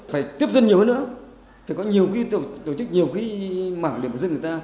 phải tiếp dân nhiều hơn nữa phải có nhiều cái tổ chức nhiều cái mảng điểm của dân người ta